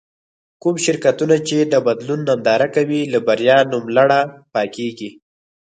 کوم شرکتونه چې د بدلون ننداره کوي له بريا نوملړه پاکېږي.